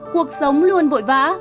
cuộc sống luôn vội vã